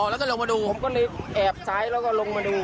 แล้วก็ลงมาดูผมก็เลยแอบซ้ายแล้วก็ลงมาดู